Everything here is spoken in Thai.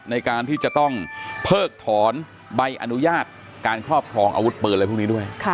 ในการที่จะต้องเพิกถอนใบอนุญาตการครอบครองอาวุธปืนอะไรพวกนี้ด้วย